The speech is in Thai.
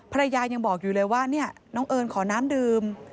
ภรรยายังบอกอยู่เลยว่าเนี่ยน้องเอิญขอน้ำดื่ม